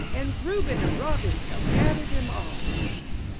And Reuben and Robin shall gather them all.